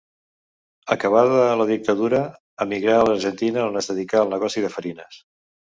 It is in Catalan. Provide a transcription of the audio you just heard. Acabada la dictadura emigrà a l'Argentina on es dedicà al negoci de farines.